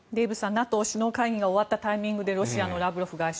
ＮＡＴＯ首脳会議が終わったタイミングでロシアのラブロフ外相